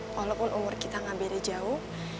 walaupun umur kita nggak beda jauh